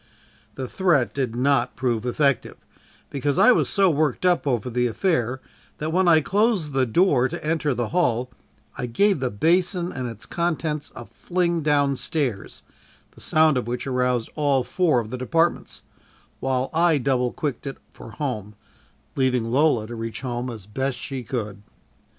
The threat did not prove effective, because I was so worked up over the affair that when I closed the door to enter the hall, I gave the basin and its contents a fling down stairs, the sound of which aroused all four of the departments, while I double quicked it for home leaving Lola to reach home as best she could.